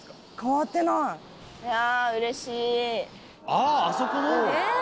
ああそこの？